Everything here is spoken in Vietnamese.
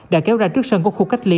đã kéo ra trước sân của khu cách ly